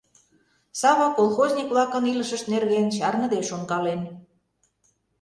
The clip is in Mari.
Сава колхозник-влакын илышышт нерген чарныде шонкален.